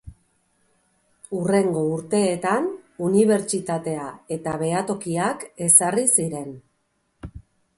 Hurrengo urteetan unibertsitatea eta behatokiak ezarri ziren.